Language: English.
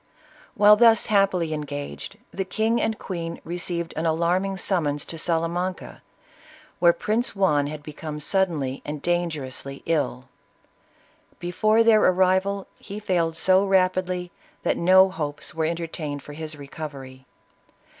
While thus happily engaged the king and queen received an alarming summons to Salamanca, where Prince Juan had become suddenly and dangerously ill ; before their arrival, he failed so rapidly that no hopes werq entertained for his recovery.